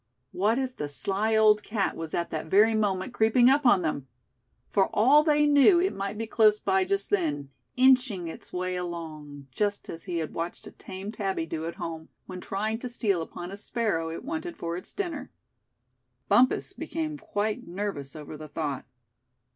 What if the sly old cat was at that very moment creeping up on them? For all they knew, it might be close by just then, "inching" its way along, just as he had watched a tame Tabby do at home, when trying to steal upon a sparrow it wanted for its dinner. Bumpus became quite nervous over the thought.